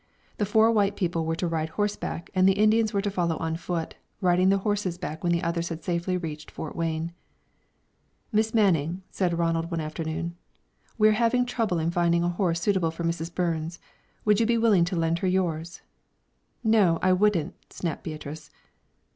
The four white people were to ride horseback and the Indians were to follow on foot, riding the horses back when the others had safely reached Fort Wayne. "Miss Manning," said Ronald one afternoon, "we are having trouble in finding a horse suitable for Mrs. Burns. Would you be willing to lend her yours?" "No, I wouldn't," snapped Beatrice.